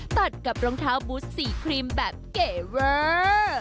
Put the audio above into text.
ตัดกับรองเท้าบูธสีครีมแบบเกเวอร์